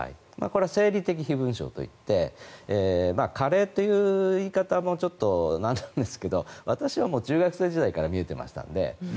これは生理的飛蚊症といって加齢という言い方もなんなんですが私は中学生時代から見えていましたので。